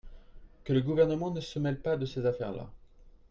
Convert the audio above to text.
Que le gouvernement ne se mêle pas de ces affaire-là.